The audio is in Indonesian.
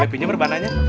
boleh pinjem rebananya